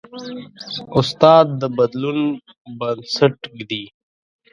استاد د بدلون بنسټ ایږدي.